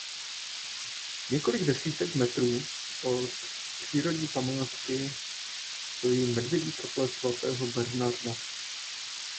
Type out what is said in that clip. Několik desítek metrů od přírodní památky stojí Medvědí kaple svatého Bernarda.